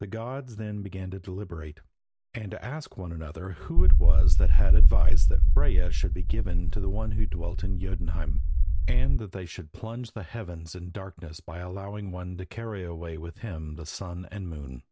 The gods then began to deliberate, and to ask one another who it was that had advised that Freyja should be given to one who dwelt in Jotunheim, and that they should plunge the heavens in darkness by allowing one to carry away with him the sun and moon.